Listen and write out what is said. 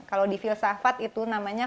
kalau di filsafat itu namanya